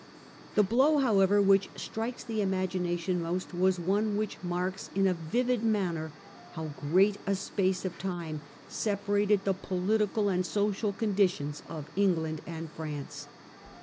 The blow however which strikes the imagination most was one which marks in a vivid Destruction manner ^ ow £ reat a space of time separated ofTh™ 0 10n the political and social conditions of England castles * and France.